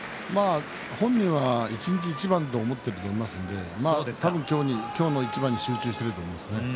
本人は一日一番と思っていると思いますので多分、今日の一番に集中していると思います。